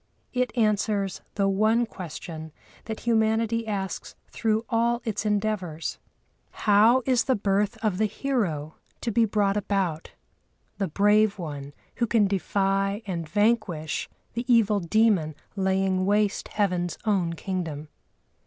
It answers the one question that humanity asks through all its endeavours: "How is the birth of the hero to be brought about, the brave one who can defy and vanquish the evil demon laying waste heaven's own kingdom?"